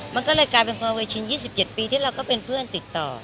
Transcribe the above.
มันก็เลยกลายเป็นความวัยชิน๒๗ปีที่เราก็เป็นเพื่อนติดต่อ